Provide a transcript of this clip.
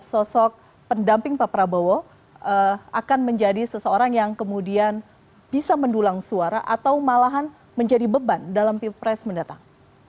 sosok pendamping pak prabowo akan menjadi seseorang yang kemudian bisa mendulang suara atau malahan menjadi beban dalam pilpres mendatang